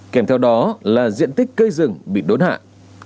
kèm theo đó là diện tích cây rừng bị đốt hạng